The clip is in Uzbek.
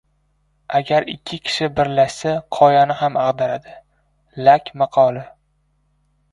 Agar ikki kishi birlashsa qoyani ham ag‘daradi. Lak maqoli